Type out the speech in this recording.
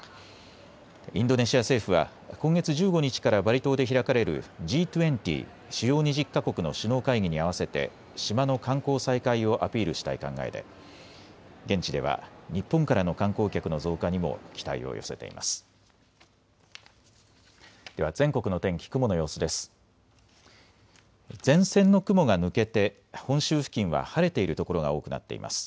インドネシア政府は今月１５日からバリ島で開かれるＧ２０・主要２０か国の首脳会議に合わせて島の観光再開をアピールしたい考えで現地では日本からの観光客の増加にも期待を寄せています。